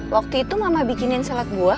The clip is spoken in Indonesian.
waktu itu mama bikinin salad buah